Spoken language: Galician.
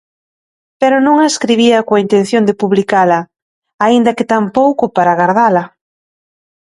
Pero non a escribía coa intención de publicala, aínda que tampouco para gardala.